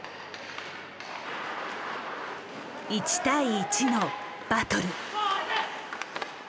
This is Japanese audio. １対１のバトル。